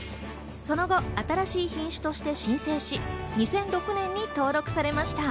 その後、新しい品種として申請し、２００６年に登録されました。